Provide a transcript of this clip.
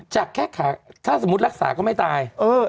จากแค่ขาถ้าสมมุติรักษาก็ไม่ตาย